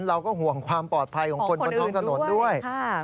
เราก็ห่วงความปลอดภัยของคนบนท้องถนนด้วย